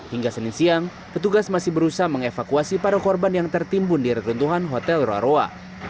hingga senin siang petugas masih berusaha mengevakuasi para korban yang tertimbun di reruntuhan hotel roa roa